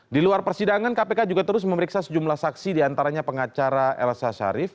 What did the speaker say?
di luar persidangan kpk juga terus memeriksa sejumlah saksi diantaranya pengacara elsa sharif